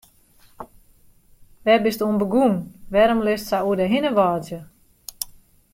Wêr bist oan begûn, wêrom litst sa oer dy hinne wâdzje?